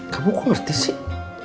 kamu kok ngerti sih